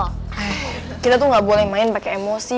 eh kita tuh gak boleh main pake emosi